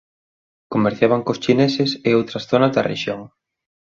Comerciaban cos chineses e outras zonas da rexión.